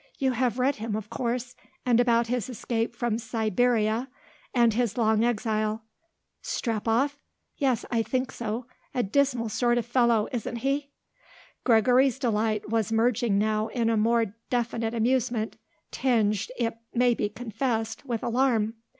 You have read him, of course, and about his escape from Siberia and his long exile." "Strepoff? Yes, I think so. A dismal sort of fellow, isn't he?" Gregory's delight was merging now in a more definite amusement, tinged, it may be confessed, with alarm.